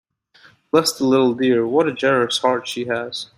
Bless the little dear, what a generous heart she has!